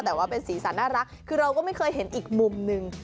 แต่ว่าเป็นสีสันน่ารักคือเราก็ไม่เคยเห็นอีกมุมนึง